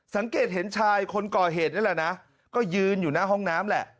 สังเกตเห็นชายคนก่อเหตุนี่แหละนะก็ยืนอยู่หน้าห้องน้ำแหละ